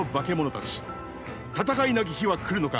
戦いなき日は来るのか。